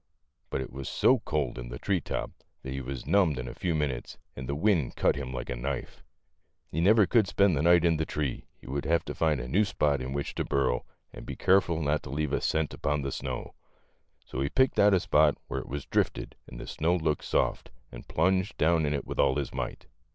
But it was so cold in the tree top that he was numbed in a few minutes, and the wind cut him like a knife. He never could spend the night in the tree, he would have to find a new spot in which to burrow, and be careful not to leave a scent upon the snow. So he picked out a spot where it was drifted and the snow looked soft, and plunged down in it with all his might.